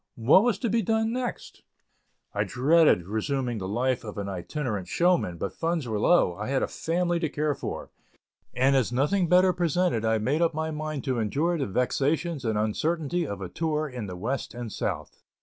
What was to be done next? I dreaded resuming the life of an itinerant showman, but funds were low, I had a family to care for, and as nothing better presented I made up my mind to endure the vexations and uncertainties of a tour in the West and South.